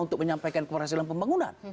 untuk menyampaikan keberhasilan pembangunan